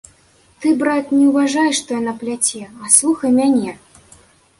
Ты, брат, не ўважай, што яна пляце, а слухай мяне.